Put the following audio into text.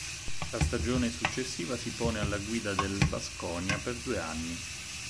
La stagione successiva si pone alla guida del Baskonia per due anni.